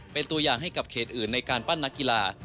เป็นตัวอย่างให้กับเขตอื่นในการปั้นนักกีฬา